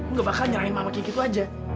nggak bakal nyerahin mama kiki itu aja